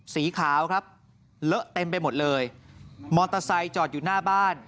สีขาวครับเลอะเต็มไปหมดเลยมอเตอร์ไซค์จอดอยู่หน้าบ้าน